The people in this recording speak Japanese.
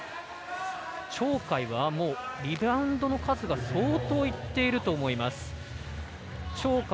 鳥海はもうリバウンドの数が相当いっていると思います。